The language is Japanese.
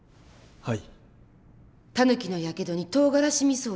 はい。